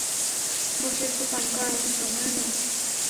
বসে একটু পান করার মতো সময়ও নেই?